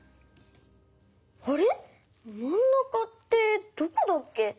あれまんなかってどこだっけ？